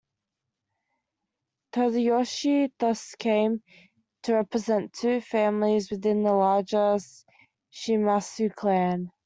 Tadayoshi thus came to represent two families within the larger Shimazu clan.